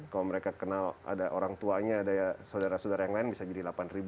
kalau mereka kenal ada orang tuanya ada saudara saudara yang lain bisa jadi delapan ribu